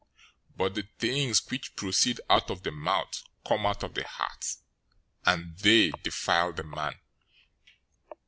015:018 But the things which proceed out of the mouth come out of the heart, and they defile the man.